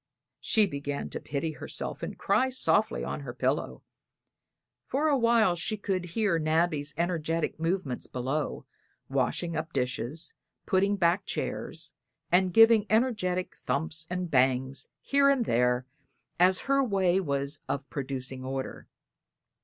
She began to pity herself and cry softly on her pillow. For a while she could hear Nabby's energetic movements below, washing up dishes, putting back chairs, and giving energetic thumps and bangs here and there, as her way was of producing order.